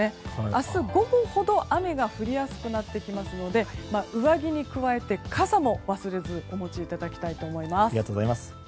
明日午後ほど雨が降りやすくなってきますので上着に加えて傘も忘れずお持ちいただきたいと思います。